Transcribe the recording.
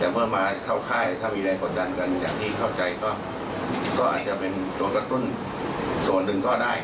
แต่เมื่อมาเข้าค่ายถ้ามีแรงกดดันกันอย่างที่เข้าใจก็อาจจะเป็นตัวกระตุ้นส่วนหนึ่งก็ได้